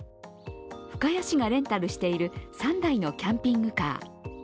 深谷市がレンタルしている３台のキャンピングカー。